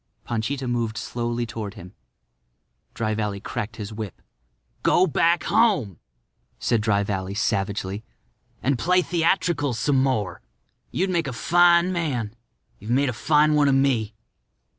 Panchita moved slowly toward him. Dry Valley cracked his whip. "Go back home," said Dry Valley, savagely, "and play theatricals some more. You'd make a fine man. You've made a fine one of me."